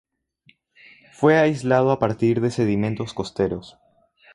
Fue aislado a partir de sedimentos costeros.